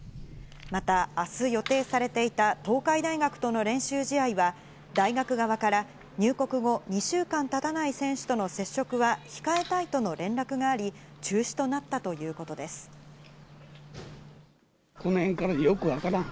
また、あす予定されていた東海大学との練習試合は、大学側から、入国後２週間たたない選手との接触は控えたいとの連絡があり、この辺からよく分からん。